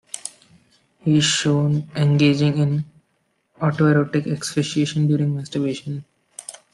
He is shown engaging in autoerotic asphyxiation during masturbation.